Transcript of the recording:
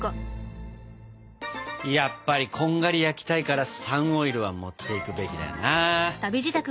やっぱりこんがり焼きたいからサンオイルは持っていくべきだよな。